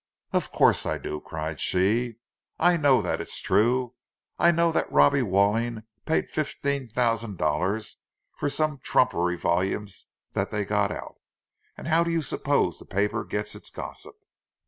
"Of course I do," cried she. "I know that it's true! I know that Robbie Walling paid fifteen thousand dollars for some trumpery volumes that they got out! And how do you suppose the paper gets its gossip?"